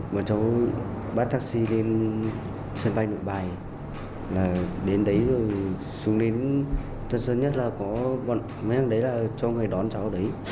một cháu bắt taxi đến sân bay nội bài là đến đấy rồi xuống đến thật sớm nhất là có mấy thằng đấy là cho người đón cháu ở đấy